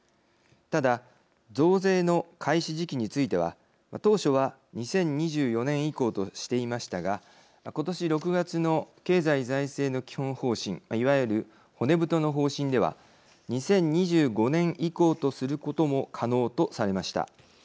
ただ増税の開始時期については当初は２０２４年以降としていましたが今年６月の経済財政の基本方針いわゆる骨太の方針では２０２５年以降とすることも可能とされました。